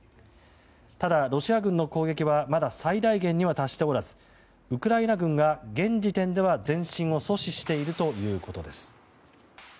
ただ、ロシア軍の攻撃はまだ最大限には達しておらずウクライナ軍が現時点では前進を阻止しているということです。